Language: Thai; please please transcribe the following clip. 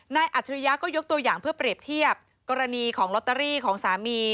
อัจฉริยะก็ยกตัวอย่างเพื่อเปรียบเทียบกรณีของลอตเตอรี่ของสามี